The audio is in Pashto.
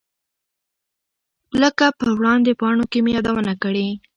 لکه په وړاندې پاڼو کې مې یادونه کړې.